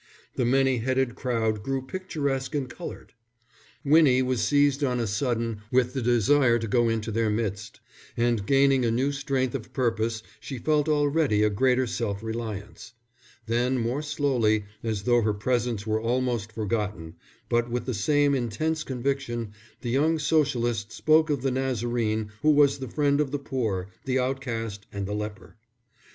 The many headed crowd grew picturesque and coloured. Winnie was seized on a sudden with the desire to go into their midst; and gaining a new strength of purpose, she felt already a greater self reliance. Then more slowly, as though her presence were almost forgotten, but with the same intense conviction, the young Socialist spoke of the Nazarene who was the friend of the poor, the outcast, and the leper.